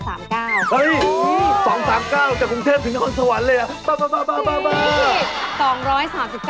๒๓๙จากกรุงเทพฯถึงครสวรรค์เลยละป่าสิ